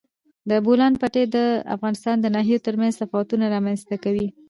د بولان پټي د افغانستان د ناحیو ترمنځ تفاوتونه رامنځ ته کوي.